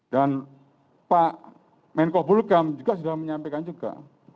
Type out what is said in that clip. dan pak menko bulgam juga sudah menyampaikan juga